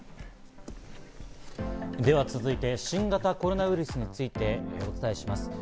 では、続いて新型コロナウイルスについてお伝えします。